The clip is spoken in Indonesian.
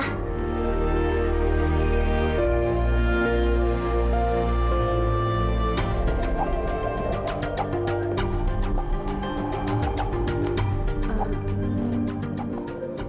aku ingin pergi